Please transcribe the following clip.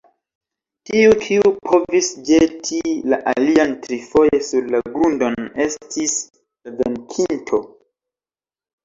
Tiu, kiu povis ĵeti la alian trifoje sur la grundon, estis la venkinto.